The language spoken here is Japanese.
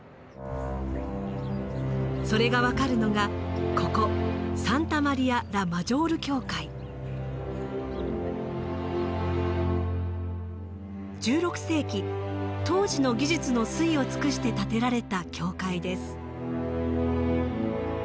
それが分かるのがここ１６世紀当時の技術の粋を尽くして建てられた教会です。